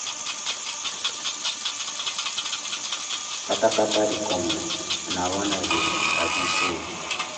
Katakata dey com ooo, na run I dey so ooo.